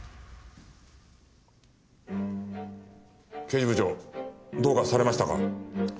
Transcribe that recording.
刑事部長どうかされましたか？